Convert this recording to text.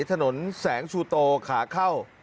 ถนนแสงชูโตขาเข้า